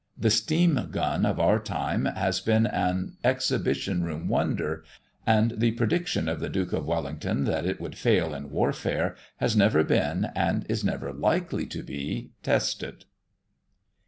The Steam Gun of our time has been an exhibition room wonder; and the prediction of the Duke of Wellington that it would fail in warfare, has never been, and is never likely to be, tested.